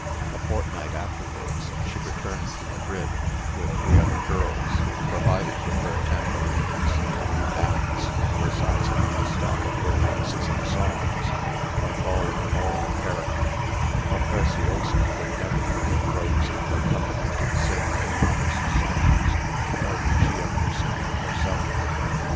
A fortnight afterwards, she returned to Madrid, with three other girls, provided with their tambourines and a new dance, besides a new stock of romances and songs, but all of a moral character; for Preciosa would never permit those in her company to sing immodest songs, nor would she ever sing them herself.